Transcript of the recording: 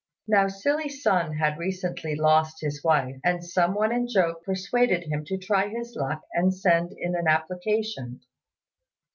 Now Silly Sun had recently lost his wife; and some one in joke persuaded him to try his luck and send in an application.